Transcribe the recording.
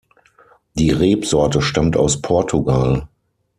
Die Rebsorte stammt aus Portugal.